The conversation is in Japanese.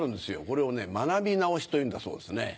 これをね「学び直し」というんだそうですね。